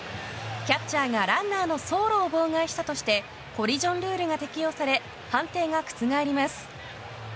キャッチャーがランナーの走路を妨害したとしてコリジョンルールが適用され判定が覆ります。